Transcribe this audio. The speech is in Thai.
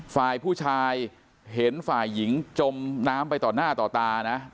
ฝ่ายผู้ชายเห็นฝ่ายหญิงจมน้ำไปต่อหน้าต่อตานะ